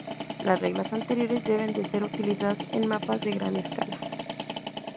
Las reglas anteriores deben ser utilizadas en mapas de gran escala.